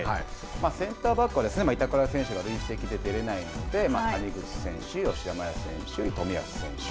センターバックは、板倉選手が累積で、出れないので、谷口選手、吉田麻也選手、冨安選手。